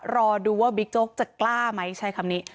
รอดูว่าบิ๊กโจ๊กจะกล้าไหมใช้คำนี้